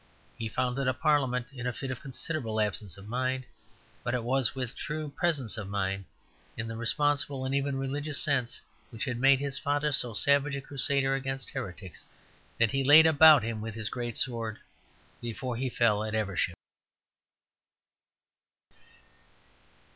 He founded a parliament in a fit of considerable absence of mind; but it was with true presence of mind, in the responsible and even religious sense which had made his father so savage a Crusader against heretics, that he laid about him with his great sword before he fell at Evesham.